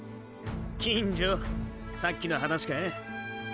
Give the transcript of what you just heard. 金城さっきの話かァ？